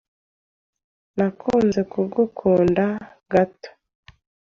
Nakunze kugukunda gato.